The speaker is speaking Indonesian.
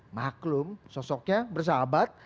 maklum sosoknya bersahabat